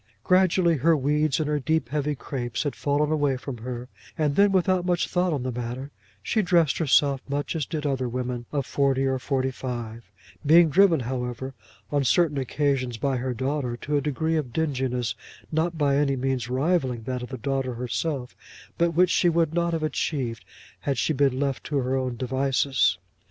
Gradually her weeds and her deep heavy crapes had fallen away from her, and then, without much thought on the matter, she dressed herself much as did other women of forty or forty five, being driven, however, on certain occasions by her daughter to a degree of dinginess, not by any means rivalling that of the daughter herself, but which she would not have achieved had she been left to her own devices.